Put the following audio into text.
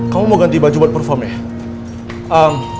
kamu mau ganti baju buat perform ya